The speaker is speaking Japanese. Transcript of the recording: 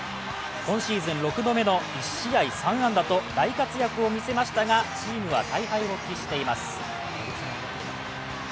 今シーズン６度目の１試合３安打と大活躍を見せましたが、チームは大敗を喫しています。